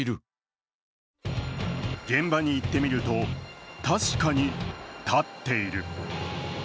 現場に行ってみると確かに立っている。